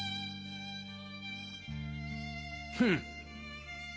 フン！